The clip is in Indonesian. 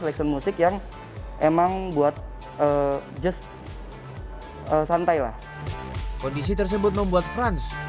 kondisi tersebut membuat sprans